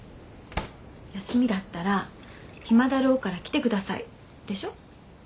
「休みだったら暇だろうから来てください」でしょ？